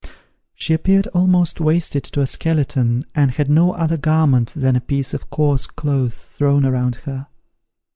She appeared almost wasted to a skeleton, and had no other garment than a piece of coarse cloth thrown around her.